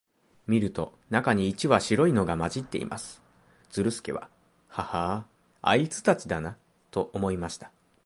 見ると、中に一羽白いのが混じっています。ズルスケは、ハハア、あいつたちだな、と思いました。